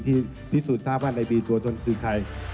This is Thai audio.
ที่สูดทราบว่าในบีตัวชนคือใคร